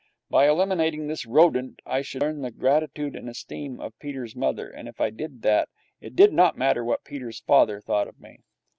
By eliminating this rodent I should earn the gratitude and esteem of Peter's mother, and, if I did that, it did not matter what Peter's father thought of me.